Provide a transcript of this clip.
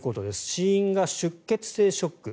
死因が出血性ショック。